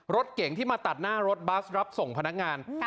รถเก่งที่มาตัดหน้ารถบัสรับส่งพนักงาน